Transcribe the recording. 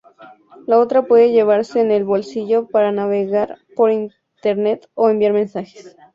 La otra puede llevarse en el bolsillo para navegar por internet o enviar mensajes.